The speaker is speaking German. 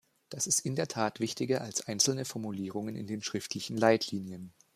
Das ist in der Tat wichtiger als einzelne Formulierungen in den schriftlichen Leitlinien.